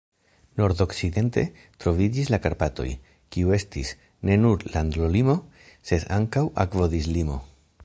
Nord-okcidente troviĝis la Karpatoj, kiu estis ne nur landolimo, sed ankaŭ akvodislimo.